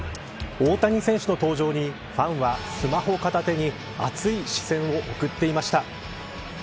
大谷選手の登場にファンはスマホ片手に熱い視線を送っていました。